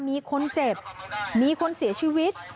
มีคนเจ็บมีคนเสียชีวิต